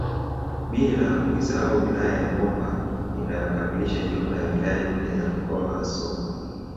Bila kuisahau wilaya ya Momba inayokamilisha jumla ya wilaya nne za mkoa wa Songwe